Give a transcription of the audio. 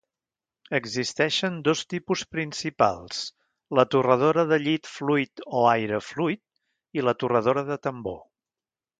Existeixen dos tipus principals: la torradora de llit fluid o aire fluid i la torradora de tambor.